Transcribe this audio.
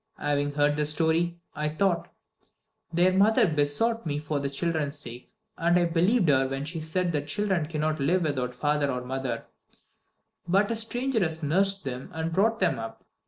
Having heard the story, I thought, 'Their mother besought me for the children's sake, and I believed her when she said that children cannot live without father or mother; but a stranger has nursed them, and has brought them up.'